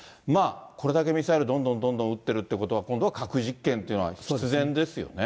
これだけミサイル、どんどんどんどん撃ってるってことは、今度は核実験というのは必然ですよね。